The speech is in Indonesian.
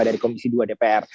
dari komisi dua dpr